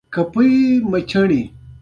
ایا ستاسو تګ د خفګان سبب نه دی؟